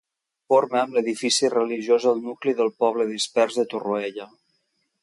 Forma, amb l'edifici religiós el nucli del poble dispers de Torroella.